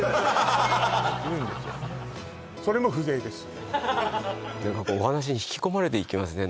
それも風情です